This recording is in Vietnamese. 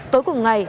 tối cùng ngày